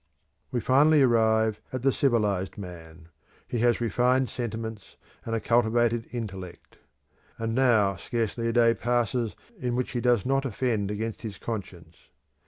We finally arrive at the civilised man; he has refined sentiments and a cultivated intellect; and now scarcely a day passes in which he does not offend against his conscience.